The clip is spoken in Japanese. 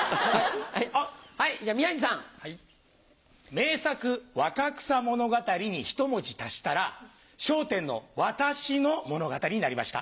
名作『若草物語』にひと文字足したら『笑点』の私の物語になりました。